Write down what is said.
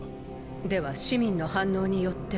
では市民の反応によっては。